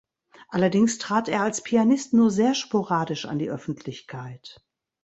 Allerdings trat er als Pianist nur sehr sporadisch an die Öffentlichkeit.